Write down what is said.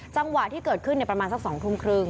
จังหวะที่เกิดขึ้นประมาณสัก๒ทุ่มครึ่ง